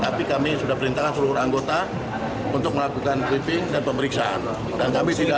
tapi kami sudah perintahkan seluruh anggota untuk melakukan sweeping dan pemeriksaan